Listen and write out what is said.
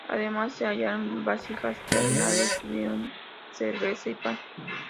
Además se hallaron vasijas que alguna vez tuvieron cerveza y pan.